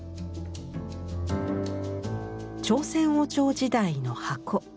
朝鮮王朝時代の箱。